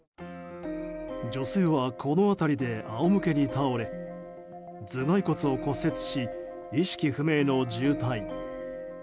女性は、この辺りで仰向けに倒れ頭蓋骨を骨折し意識不明の重体。